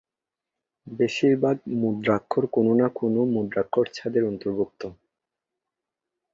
বেশিরভাগ মুদ্রাক্ষর কোন না কোন মুদ্রাক্ষর-ছাঁদের অন্তর্ভুক্ত।